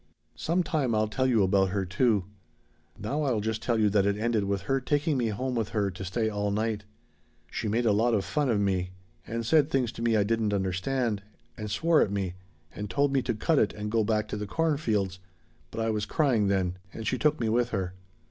"Some time I'll tell you about her, too. Now I'll just tell you that it ended with her taking me home with her to stay all night. She made a lot of fun of me and said things to me I didn't understand and swore at me and told me to 'cut it' and go back to the cornfields but I was crying then, and she took me with her.